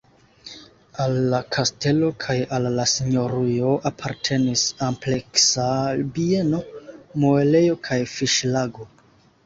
Al la kastelo kaj al la sinjorujo apartenis ampleksa bieno, muelejo kaj fiŝlago.